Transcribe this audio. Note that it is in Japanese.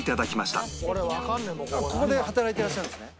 ここで働いてらっしゃるんですね。